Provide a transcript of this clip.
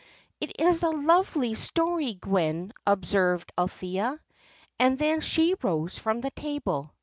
"It is a lovely story, Gwen," observed Althea; and then she rose from the table.